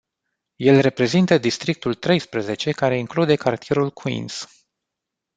El reprezintă districtul treisprezece, care include cartierul Queens.